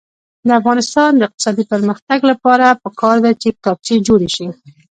د افغانستان د اقتصادي پرمختګ لپاره پکار ده چې کتابچې جوړې شي.